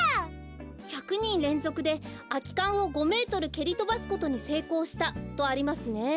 「１００にんれんぞくであきかんを５メートルけりとばすことにせいこうした」とありますね。